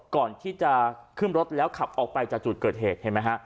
ก่อนที่จะขึ้นรถแล้วขับออกไปจากจุดเกิดเหตุเห็นไหมฮะ